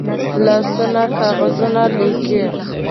لاسونه کاغذونه لیکي